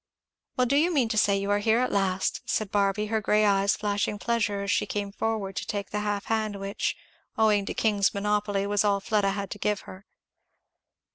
"Well do you mean to say you are here at last?" said Barby, her grey eyes flashing pleasure as she came forward to take the half hand which, owing to King's monopoly, was all Fleda had to give her.